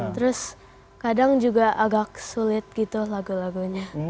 terus kadang juga agak sulit gitu lagu lagunya